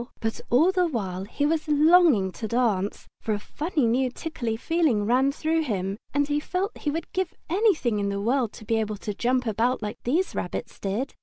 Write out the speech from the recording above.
But all the while he was longing to dance, for a funny new tickly feeling ran through him, and he felt he would give anything in the world to be able to jump about like these rabbits did.